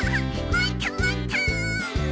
もっともっと！